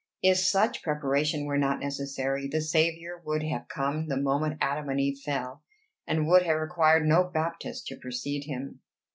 If such preparation were not necessary, the Saviour would have come the moment Adam and Eve fell, and would have required no Baptist to precede him."